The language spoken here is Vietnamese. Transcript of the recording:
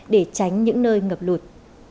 để tránh những nơi ngập lụt